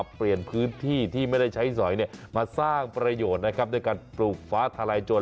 เปลอเปลี่ยนพืธที่ที่ไม่ได้ใช้สอยมาสร้องประโยชน์ด้วยการปลูกฟ้าทลายโจทย์